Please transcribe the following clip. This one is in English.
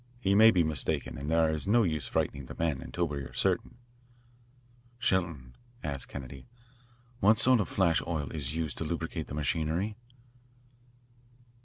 He may be mistaken, and there is no use frightening the men, until we are certain. "Shelton," asked Kennedy, "what sort of flash oil is used to lubricate the machinery?"